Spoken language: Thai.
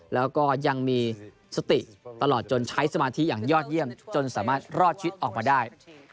แล้วก็ยังมีสติตลอดจนใช้สมาธิอย่างยอดเยี่ยมจนสามารถรอดชีวิตออกมาได้